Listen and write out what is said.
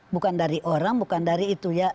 bukan dari orang bukan dari itu ya